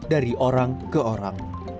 dari orang ke orang